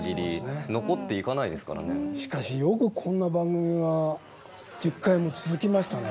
しかしよくこんな番組が１０回も続きましたね。